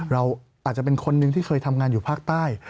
เราอาจจะเป็นคนนึงที่เคยทำงานอยู่ภาคใต้